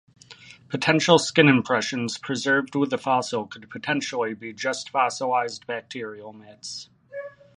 Potential skin impressions preserved with the fossil could potentially be just fossilized bacterial mats.